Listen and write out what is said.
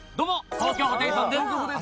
東京ホテイソンです。